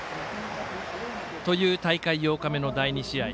という大会８日目の第２試合。